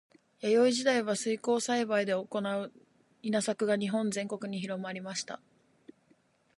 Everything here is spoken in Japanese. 弥生時代は水耕栽培で行う稲作が日本全国に広まりました。